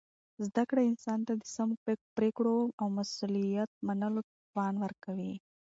زده کړه انسان ته د سمو پرېکړو او مسؤلیت منلو توان ورکوي.